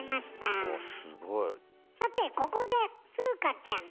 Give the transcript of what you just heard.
さてここで風花ちゃん。